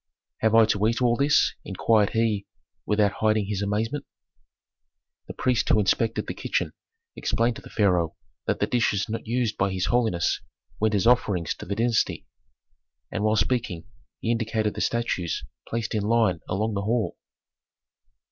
"Have I to eat all this?" inquired he, without hiding his amazement. The priest who inspected the kitchen explained to the pharaoh that the dishes not used by his holiness went as offerings to the dynasty. And while speaking he indicated the statues placed in line along the hall.